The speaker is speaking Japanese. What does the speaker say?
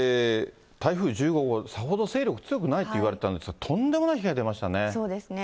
台風１５号、さほど勢力強くないといわれてたんですが、とんでもない被害出まそうですね。